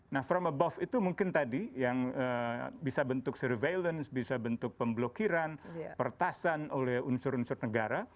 nah from above itu mungkin tadi yang bisa bentuk surveillance bisa bentuk pemblokiran pertasan oleh unsur unsur negara